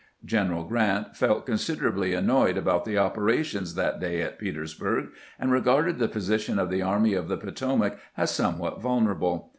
General Grant felt considerably annoyed about the operations that day at Petersburg, and regarded the position of the Army of the Potomac as somewhat vul nerable.